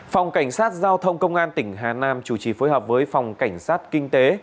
phòng cảnh sát giao thông công an tỉnh hà nam chủ trì phối hợp với phòng cảnh sát kinh tế